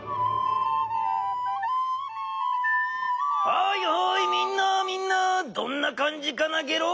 はいはいみんなみんなどんなかんじかなゲロ？